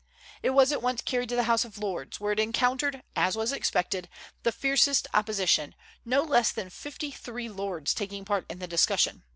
It was at once carried to the House of Lords, where it encountered, as was expected, the fiercest opposition, no less than fifty three lords taking part in the discussion.